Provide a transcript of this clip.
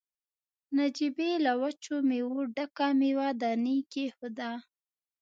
نجيبې له وچو مېوو ډکه مېوه داني کېښوده.